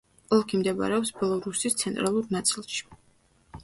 ოლქი მდებარეობს ბელორუსის ცენტრალურ ნაწილში.